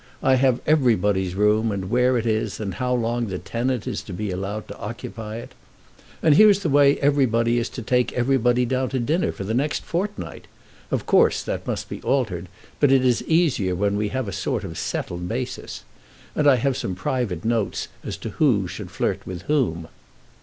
I have everybody's room, and where it is, and how long the tenant is to be allowed to occupy it. And here's the way everybody is to take everybody down to dinner for the next fortnight. Of course that must be altered, but it is easier when we have a sort of settled basis. And I have some private notes as to who should flirt with whom."